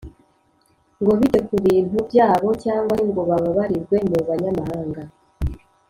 Ngo bite ku bintu byabo cyangwa se ngo babarirwe mu banyamahanga